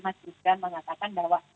mas ibu ibu kan mengatakan bahwa